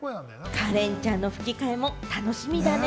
カレンちゃんの吹き替えも楽しみだね。